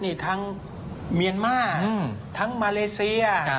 ถ้าางเมียนมาร์ถ้าางมาเลเซีย